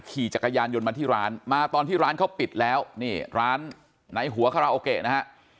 ขี่จักรยานยนต์มาที่ร้านมาตอนที่ร้านเขาปิดแล้วนี่ร้านไหนหัวคาราโอเกะนะฮะ